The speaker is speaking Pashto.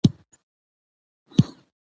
د جنرال مؤمن او عبدالرشید وطن یار